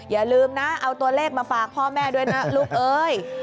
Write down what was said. อย่าลืมนะเอาตัวเลขมาฝากพ่อแม่ด้วยนะลูกเอ้ย